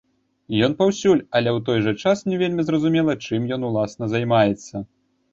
Ён паўсюль, але ў той жа час не вельмі зразумела, чым ён, уласна, займаецца.